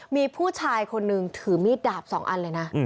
มีผู้ชายคนนึงถือมีดดาบ๒อันเลยนะ